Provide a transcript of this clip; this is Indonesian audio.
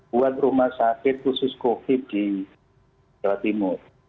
buat rumah sakit khusus covid di jawa timur